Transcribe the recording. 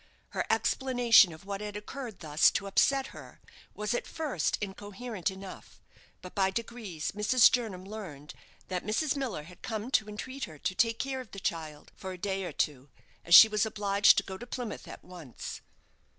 Her explanation of what had occurred thus to upset her was at first incoherent enough, but by degrees Mrs. Jernam learned that Mrs. Miller had come to entreat her to take care of the child for a day or two as she was obliged to go to Plymouth at once.